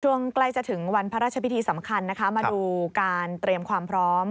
ใกล้จะถึงวันพระราชพิธีสำคัญนะคะมาดูการเตรียมความพร้อม